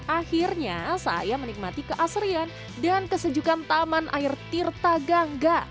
akhirnya saya menikmati keasrian dan kesejukan taman air tirta gangga